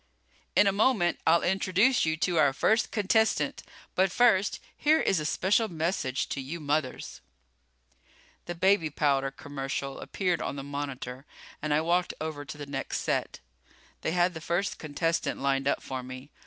In a moment I'll introduce you to our first contestant. But first here is a special message to you mothers ..." The baby powder commercial appeared on the monitor and I walked over to the next set. They had the first contestant lined up for me.